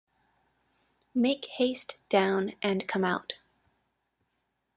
Make haste down, and come out.